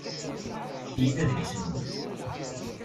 Fket-iyi-d adlis-nwen.